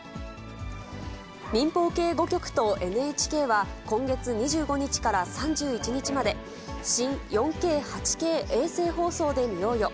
民放系５局とＮＨＫは、今月２５日から３１日まで、新４Ｋ８Ｋ衛星放送で見ようよ！